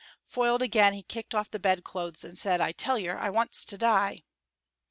Foiled again, he kicked off the bed clothes and said: "I tell yer I wants to die!"